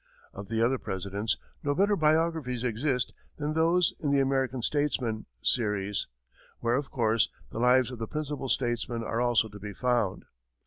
Of the other Presidents, no better biographies exist than those in the "American Statesmen" series, where, of course, the lives of the principal statesmen are also to be found.